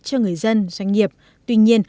cho người dân doanh nghiệp tuy nhiên